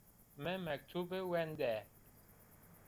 Mi mektube wende